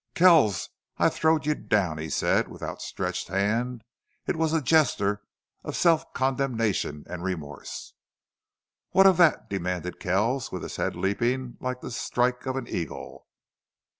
"Kells, I throwed you down!" he said, with outstretched hand. It was a gesture of self condemnation and remorse. "What of that?" demanded Kells, with his head leaping like the strike of an eagle.